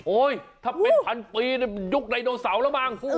โอ้ยถ้าเป็นพันปียุคไนโนเสาระบ้าง